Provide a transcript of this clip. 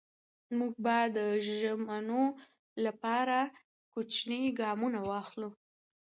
موږ به د ژمنو لپاره کوچني ګامونه واخلو.